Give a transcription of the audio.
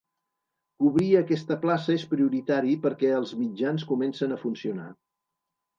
Cobrir aquesta plaça és prioritari perquè els mitjans comencen a funcionar.